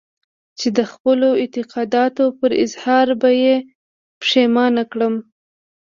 چې د خپلو اعتقاداتو پر اظهار به يې پښېمانه کړم.